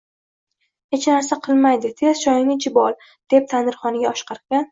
Hech narsa qilmaydi, tez choyingni ichib ol, dedi tandirxonaga oshiqarkan